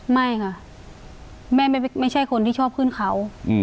ไม่ค่ะแม่ไม่ใช่คนที่ชอบขึ้นเขา